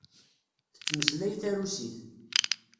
Tettmeslay tarusit.